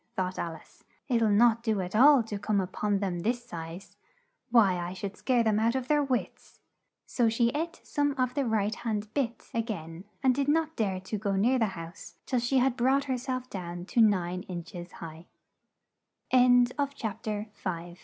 thought Al ice, "it'll not do at all to come up on them this size: why I should scare them out of their wits!" So she ate some of the right hand bit, a gain and did not dare to go near the house till she had brought her self down to nine inch es high. CHAPTER VI. PIG AND PEP PER.